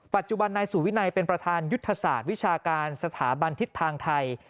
ปัจจุบันนายสุวินัยเป็นประธานยุทธศาสตร์วิชาการสถาบันทิศทางไทย